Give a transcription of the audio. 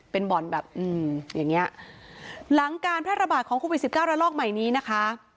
เป็นบ่อนแบบอืมอย่างเงี้ยหลังการแพร่ระบาดของโควิดสิบเก้าระลอกใหม่นี้นะคะ